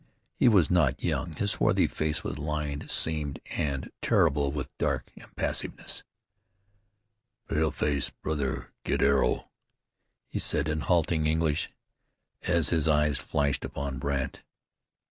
He was not young. His swarthy face was lined, seamed, and terrible with a dark impassiveness. "Paleface brother get arrow," he said in halting English, as his eyes flashed upon Brandt.